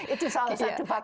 itu salah satu faktor